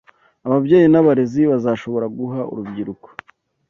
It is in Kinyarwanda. ababyeyi n’abarezi bazashobora guha urubyiruko